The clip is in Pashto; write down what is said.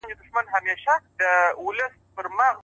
په سپين لاس کي يې دی سپين سگريټ نيولی،